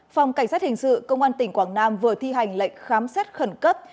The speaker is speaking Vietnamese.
phòng cảnh sát hình sự công an tỉnh quảng nam vừa thi hành lệnh khám xét khẩn cấp